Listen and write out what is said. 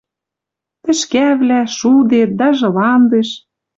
Тӹшкӓвлӓ, шудет, даже ландыш...